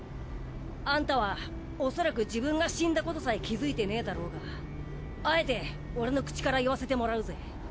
アンタは恐らく自分が死んだことさえ気付いてねえだろうがあえて俺の口から言わせてもらうぜ。